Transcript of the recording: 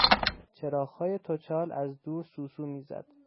چراغهای توچال از دور سوسو میزد.